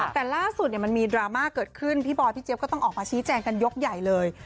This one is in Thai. แต่ล่าสุดมันมีดราม่าเกิดขึ้นพี่บอยพี่เจี๊ยก็ต้องออกมาชี้แจงกันยกใหญ่เลย